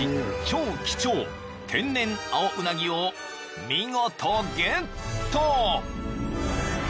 超貴重天然青うなぎを見事ゲット！］